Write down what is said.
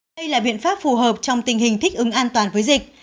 đây là biện pháp phù hợp trong tình hình thích ứng an toàn với dịch